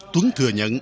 túng thừa nhận